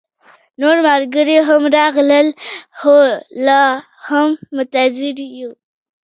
نور ملګري هم راغلل، خو لا هم منتظر يو